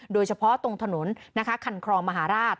โดยเฉพาะตรงถนนคันครองมหาราช